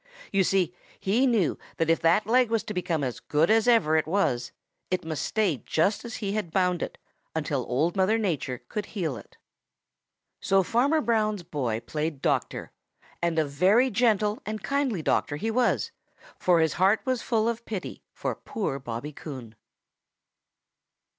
You see, he knew that if that leg was to become as good as ever it was, it must stay just as he had bound it until Old Mother Nature could heal it. So Farmer Brown's boy played doctor, and a very gentle and kindly doctor he was, for his heart was full of pity for poor Bobby Coon.